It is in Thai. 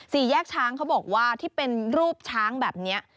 สี่แยกช้างเขาบอกว่าที่เป็นรูปช้างแบบนี้